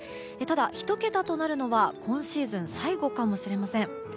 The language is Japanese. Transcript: ただ、１桁となるのは今シーズン最後かもしれません。